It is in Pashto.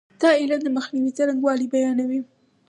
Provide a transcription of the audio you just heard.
دا علم د مخنیوي څرنګوالی بیانوي.